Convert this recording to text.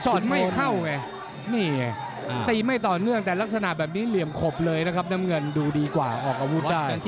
อดไม่เข้าไงนี่ไงตีไม่ต่อเนื่องแต่ลักษณะแบบนี้เหลี่ยมขบเลยนะครับน้ำเงินดูดีกว่าออกอาวุธได้